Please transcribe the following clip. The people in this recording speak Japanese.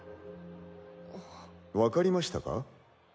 わかりましたか？